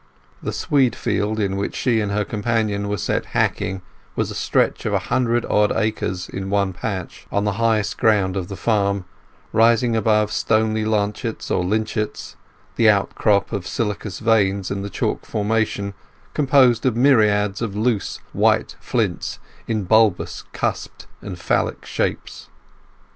The swede field in which she and her companion were set hacking was a stretch of a hundred odd acres in one patch, on the highest ground of the farm, rising above stony lanchets or lynchets—the outcrop of siliceous veins in the chalk formation, composed of myriads of loose white flints in bulbous, cusped, and phallic shapes.